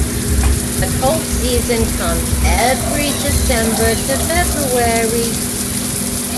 The cold season comes every December to February.